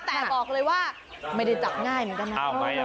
แต่บอกเลยว่าไม่ได้จับง่ายเหมือนกันนะ